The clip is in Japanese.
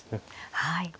はい。